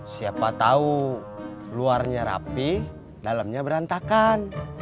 siapa tau luarnya rapi dalamnya berantakan